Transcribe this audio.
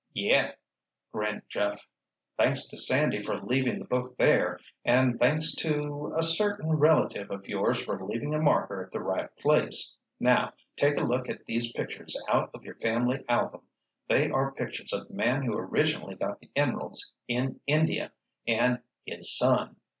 "Yeah," grinned Jeff. "Thanks to Sandy for leaving the book there, and thanks to—a certain relative of yours for leaving a marker at the right place. Now, take a look at these pictures out of your family album. They are pictures of the man who originally got the emeralds in India, and his son.